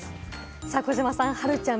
児嶋さん、はるちゃん